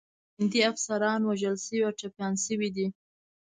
هندي افسران وژل شوي او ټپیان شوي دي.